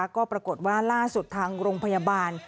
ก็ปรากฏว่าล่าสุดทางโรงพยาบาล